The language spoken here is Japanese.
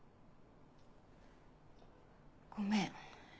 ごめん。